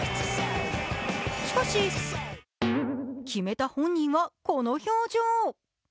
しかし、決めた本人はこの表情。